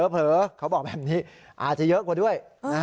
เผลอเขาบอกแบบนี้อาจจะเยอะกว่าด้วย